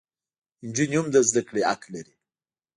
انجونې هم د زدکړي حق لري